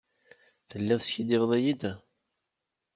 Telliḍ teskiddibeḍ-iyi-d?